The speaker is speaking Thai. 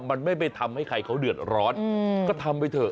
มันไม่ไปทำให้ใครเขาเดือดร้อนก็ทำไปเถอะ